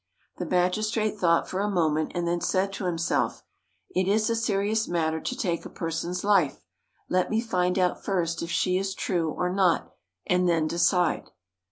The magistrate thought for a moment, and then said to himself, "It is a serious matter to take a person's life; let me find out first if she is true or not, and then decide."